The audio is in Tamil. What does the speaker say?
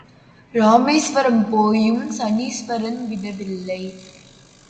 ராமேஸ்வரம் போயும் சனீஸ்வரன் விடவில்லை